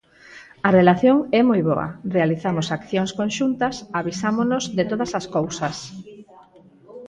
A relación é moi boa, realizamos accións conxuntas, avisámonos de todas as cousas.